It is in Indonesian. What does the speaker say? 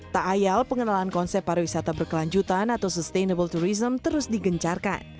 tak ayal pengenalan konsep pariwisata berkelanjutan atau sustainable tourism terus digencarkan